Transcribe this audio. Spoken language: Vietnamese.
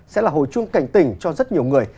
sẽ là hồi chuông cảnh tỉnh cho rất nhiều người